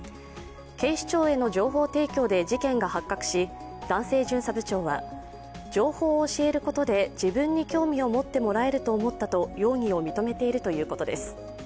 警視庁への情報提供で事件が発覚し、男性巡査部長は情報を教えることで自分に興味を持ってもらえると思ったと容疑を認めているということです。